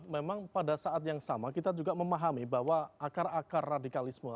memang pada saat yang sama kita juga memahami bahwa akar akar radikalisme